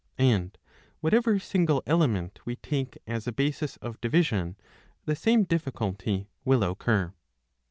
And whatever single element we take as a basis of division the same difficulty will occur.